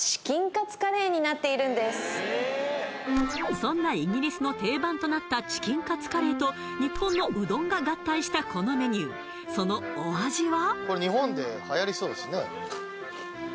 そんなイギリスの定番となったチキンカツカレーと日本のうどんが合体したこのメニューそのお味は？